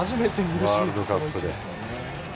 ワールドカップで。